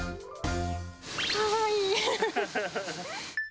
かわいい。